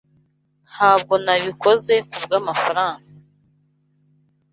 Ntabwo nabikoze kubwamafaranga.